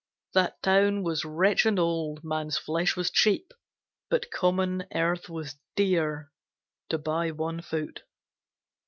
That town was rich and old; man's flesh was cheap, But common earth was dear to buy one foot.